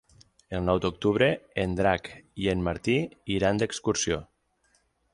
El nou d'octubre en Drac i en Martí iran d'excursió.